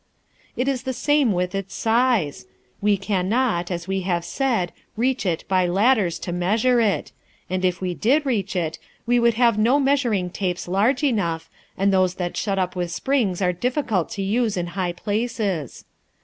It is the same with its size. We can not, as we have said, reach it by ladders to measure it; and if we did reach it, we should have no measuring tapes large enough, and those that shut up with springs are difficult to use in a high places.